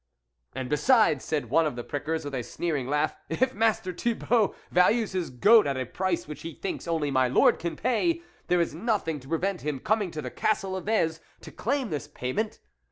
" And besides " said one of the prickers with a sneering laugh, " if Master Thibault values his goat at a price which he thinks only my lord can pay, there is nothing to prevent him coming to the castle of Vez to claim this payment.